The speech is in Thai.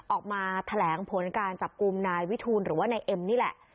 ออกมาแถลงผลการจับกลุ่มนายวิทูลหรือว่านายเอ็มนี่แหละ